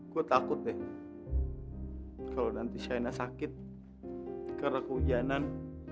gue takut deh kalo nanti sena sakit karena kehujanan